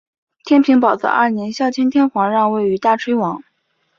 天平宝字二年孝谦天皇让位于大炊王。